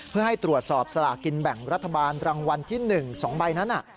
เพื่อให้ตรวจสอบสลากินแบ่งรัฐบาลรางวัลที่๑๒ใบนั้น